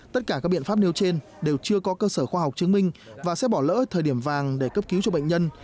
tất cả các biện pháp nêu trên đều chưa có cơ sở khoa học chứng minh và sẽ bỏ lỡ thời điểm vàng để cấp cứu cho bệnh nhân